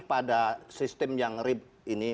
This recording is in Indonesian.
pada sistem yang ribet ini